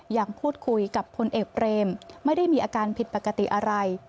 ยังพูดคุยกับพลเอกเบรมไม่ได้มีอาการผิดปกติอะไร